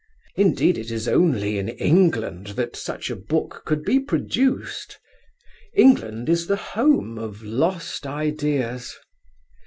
Indeed it is only in England that such a book could be produced. England is the home of lost ideas.